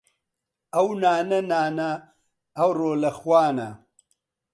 ئەو نانە نانە ، ئەوڕۆ لە خوانە